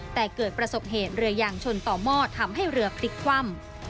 แต่เกิดประสบเหตุเรือยางชนต่อหม้อทำให้เรือพลิกคว่ำ